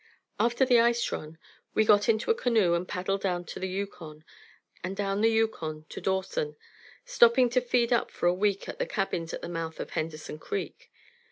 After the ice run, we got into a canoe and paddled down to the Yukon, and down the Yukon to Dawson, stopping to feed up for a week at the cabins at the mouth of Henderson Creek.